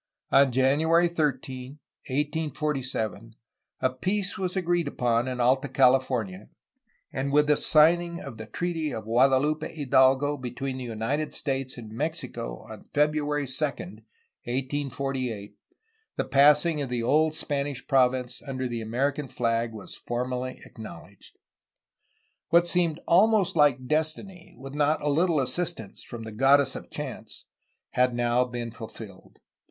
On January 13, 1847, a peace was agreed upon in Alta California, and with the signing of the treaty of Guadalupe Hidalgo between the United States WAITING FOR OLD GLORY, 1835 1847 485 and Mexico on February 2, 1848, the liassing of the old Spanish province under the American flag was formally acknowledged. What seemed almost like destiny, with not a little assistance from the goddess of chance, had now been fulfilled.